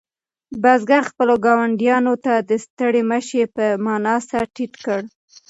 بزګر خپلو ګاونډیانو ته د ستړي مه شي په مانا سر ټیټ کړ.